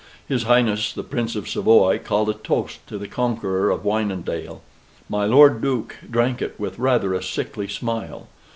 His Highness the Prince of Savoy called a toast to the conqueror of Wynendael. My Lord Duke drank it with rather a sickly smile.